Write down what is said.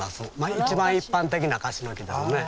一番一般的なカシの木ですね。